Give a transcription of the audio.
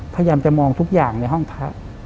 พยายามจะมองทุกอย่างในห้องพระ